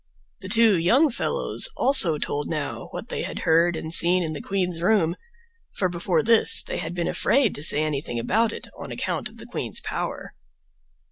The two young fellows also told now what they had heard and seen in the queen's room, for before this they had been afraid to say anything about it, on account of the Queen's power.